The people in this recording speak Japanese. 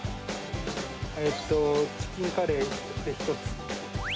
えっと、チキンカレー１つ。